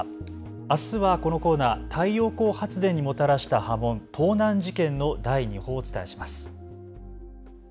あすはこのコーナー太陽光発電がもたらした波紋盗難事件の第二報をお伝えします。